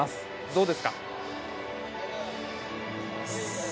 どうですか？